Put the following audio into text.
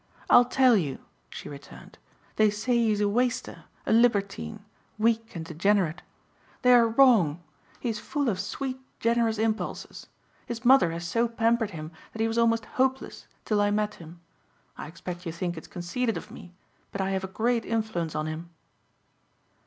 "I'll tell you," she returned, "they say he is a waster, a libertine, weak and degenerate. They are wrong. He is full of sweet, generous impulses. His mother has so pampered him that he was almost hopeless till I met him. I expect you think it's conceited of me but I have a great influence on him."